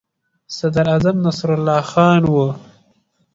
صدراعظم نصرالله خان وو.